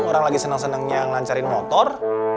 orang lagi seneng senengnya ngelancarin motor